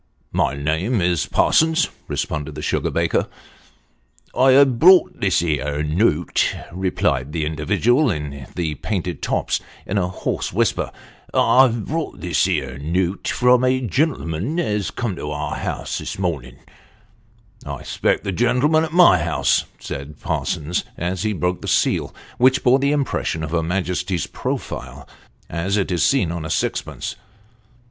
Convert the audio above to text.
" My name is Parsons," responded the sugar baker. " I've brought this here note," replied the individual in the painted tops, in a hoarse whisper :" I've brought this here note from a gen'lm'n as come to our house this mornin'." " I expected the gentleman at my house," said Parsons, as he broke the seal, which bore the impression of her Majesty's profile as it is seen on a sixpence.